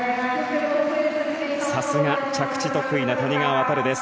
さすが着地得意な谷川航です。